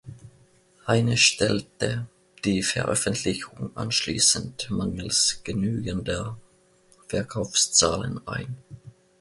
Heyne stellte die Veröffentlichung anschließend mangels genügender Verkaufszahlen ein.